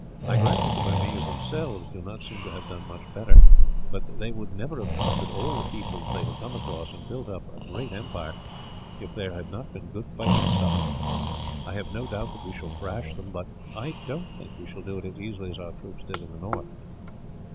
I grant that the Burmese, themselves, do not seem to have done much better; but they would never have conquered all the peoples they have come across, and built up a great empire, if there had not been good fighting stuff in them. I have no doubt that we shall thrash them, but I don't think we shall do it as easily as our troops did in the north."